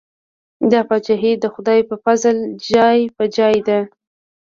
دا پاچاهي د خدای په پزل جای په جای ده.